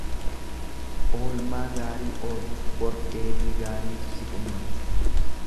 Oolmaa gaarii ooli, bor deebii gaariitu si qunnama.